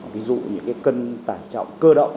ví dụ những cân tải trọng cơ động